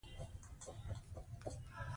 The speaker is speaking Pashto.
د سونا یا یخو اوبو لپاره تدریجي تجربه غوره ده.